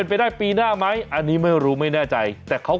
สวัสดีคุณชิสานะฮะสวัสดีคุณชิสานะฮะ